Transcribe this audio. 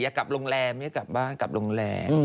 อยากกลับโรงแรมอย่ากลับบ้านกลับโรงแรม